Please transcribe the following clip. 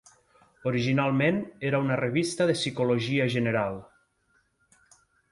Originalment, era una revista de psicologia general.